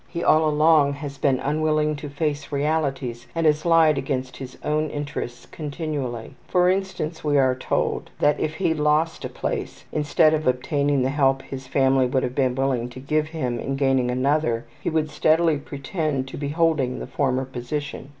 He all along has been unwilling to face realities and has lied against his own interests continually. For instance, we are told that if he lost a place, instead of obtaining the help his family would have been willing to give him in gaining another, he would steadily pretend to be holding the former position.